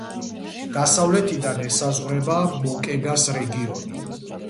დასავლეთიდან ესაზღვრება მოკეგას რეგიონი.